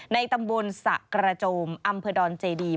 ในตำบลสะกระโจมอำเภอดอนเจดี